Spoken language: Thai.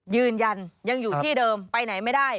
ยืนยันยังอยู่ที่เดิมไปไหนไม่ได้